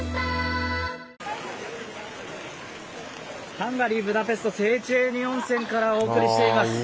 ハンガリー・ブダペストセーチェーニ温泉からお送りしています。